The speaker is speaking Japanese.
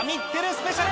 スペシャル